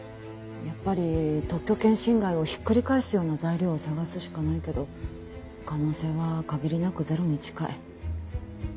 やっぱり特許権侵害をひっくり返すような材料を探すしかないけど可能性は限りなくゼロに近い。